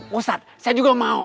pausat saya juga mau